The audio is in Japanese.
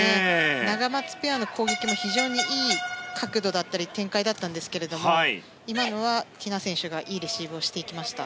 ナガマツペアの攻撃も非常にいい角度だったり展開だったんですけれども今のはティナ選手がいいレシーブをしてきました。